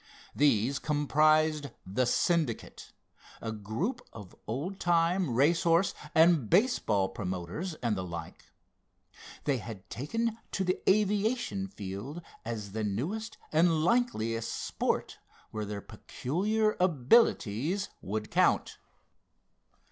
These comprised the Syndicate, a group of old time racehorse and baseball promoters and the like. They had taken to the aviation field as the newest and likeliest sport where their peculiar abilities would count.